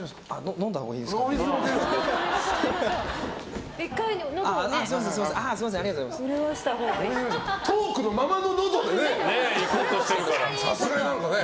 飲んだほうがいいですかね。